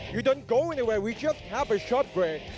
ไม่ต้องไปที่ไหนเรามีเวลาแค้น